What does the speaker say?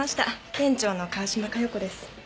店長の川嶋加代子です。